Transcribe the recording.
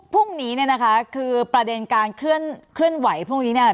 พรุ่งนี้นะคะคือประเด็นการเคลื่อนไหวพรุ่งนี้